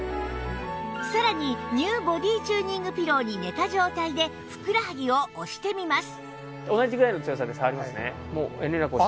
さらに ＮＥＷ ボディチューニングピローに寝た状態でふくらはぎを押してみます